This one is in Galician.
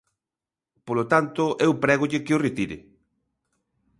Polo tanto, eu prégolle que o retire.